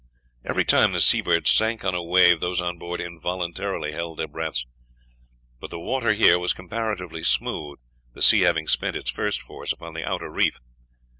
Every time the Seabird sank on a wave those on board involuntarily held their breath, but the water here was comparatively smooth, the sea having spent its first force upon the outer reef.